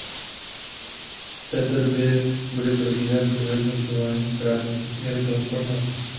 V této době bude probíhat vyhodnocování správnosti směru transformace.